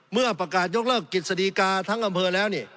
เมื่อประกาศยกเลิกกิจสดีกาทั้งอำเภอแล้วนี่